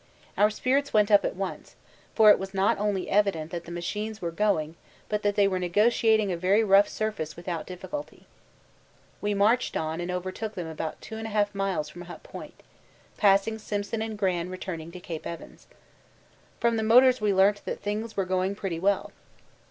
Our spirits went up at once, for it was not only evident that the machines were going, but that they were negotiating a very rough surface without difficulty. We marched on and overtook them about 2 1/2 miles from Hut Point, passing Simpson and Gran returning to Cape Evans. From the motors we learnt that things were going pretty well.